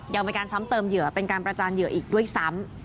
ยังมีการซ้ำเติมเหยื่อเป็นการประจานเหยื่ออีกด้วยซ้ำ